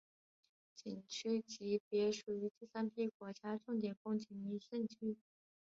景区级别属于第三批国家重点风景名胜区。